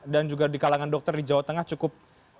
dan juga di kalangan dokter di jawa tengah cukup